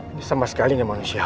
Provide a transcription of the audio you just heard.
ini sama sekali nggak manusia